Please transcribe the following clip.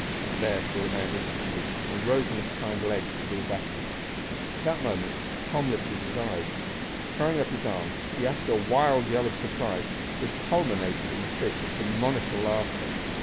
The bear saw the man instantly, and rose on its hind legs to do battle. At that moment Tom lifted his eyes. Throwing up his arms, he uttered a wild yell of surprise, which culminated in a fit of demoniacal laughter.